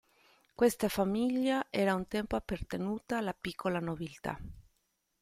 Questa famiglia era un tempo appartenuta alla piccola nobiltà.